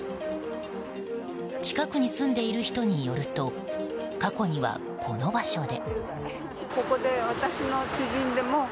近くに住んでいる人によると過去には、この場所で。